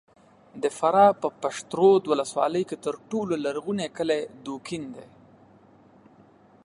د فراه په پشترود ولسوالۍ کې تر ټولو لرغونی کلی دوکین دی!